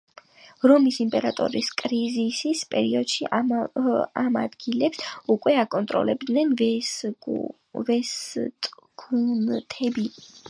რომის იმპერიის კრიზისის პერიოდში ამ ადგილებს უკვე აკონტროლებდნენ ვესტგუთები.